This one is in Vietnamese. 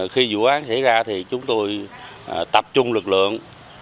khi vụ án xảy ra thì chúng tôi tập trung lực lượng